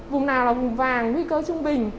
vùng nào là vùng vàng nguy cơ trung bình